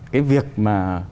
cái việc mà